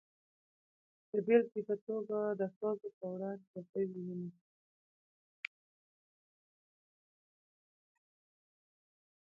د بېلګې په توګه د ښځو پر وړاندې تبعیض وینو.